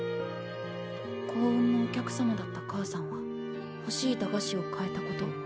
幸運のお客様だった母さんはほしい駄菓子を買えたこと。